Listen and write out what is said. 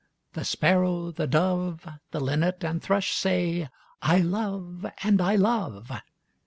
The Sparrow, the Dove, The Linnet and Thrush say, 'I love and I love!'